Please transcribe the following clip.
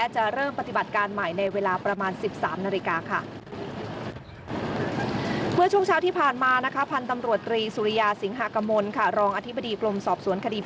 เชิญเลยครับ